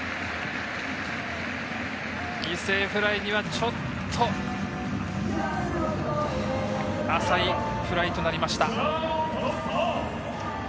犠牲フライにはちょっと浅いフライとなりました。